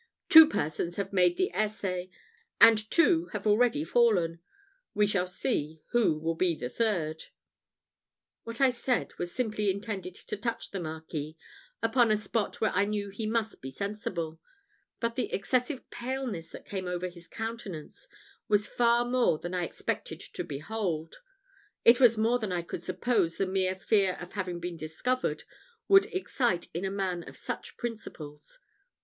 Two persons have made the essay and two have already fallen. We shall see who will be the third." What I said was simply intended to touch the marquis upon a spot where I knew he must be sensible; but the excessive paleness that came over his countenance was far more than I expected to behold: it was more than I could suppose the mere fear of having been discovered would excite in a man of such principles.